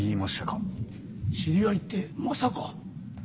知り合いってまさか。